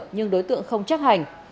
nhưng đối tượng không chắc hành